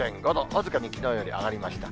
僅かにきのうより上がりました。